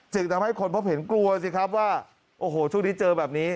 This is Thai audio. ทำให้คนพบเห็นกลัวสิครับว่าโอ้โหช่วงนี้เจอแบบนี้